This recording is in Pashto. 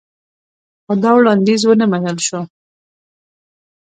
خو دا وړاندیز ونه منل شو